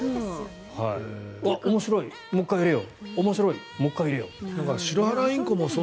あっ、面白い、もう一回入れよう面白い、もう一回入れよう。